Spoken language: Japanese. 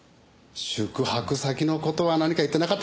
宿泊先の事は何か言ってなかったかな？